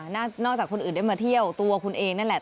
นอกจากคนอื่นได้มาเที่ยวตัวคุณเองนั่นแหละ